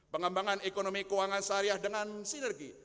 pengembangan ekonomi keuangan syariah dengan sinergi